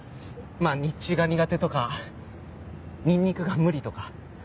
まあ日中が苦手とかニンニクが無理とか。